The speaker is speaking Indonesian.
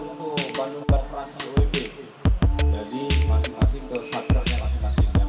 untuk banyu terperan lebih jadi masih masih ke faktornya langsung langsung yang